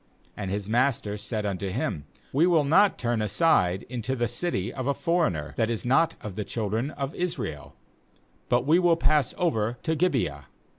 ^And his master said unto him: 'We will not turn aside into the city of a foreigner, that is not of the children of Israel; but we will pass over to Gibeah.'